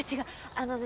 あのね。